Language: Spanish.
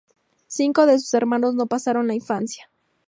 Cinco de sus hermanos no pasaron la infancia.